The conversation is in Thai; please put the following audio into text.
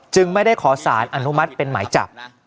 ไม่ได้ขอสารอนุมัติเป็นหมายจับ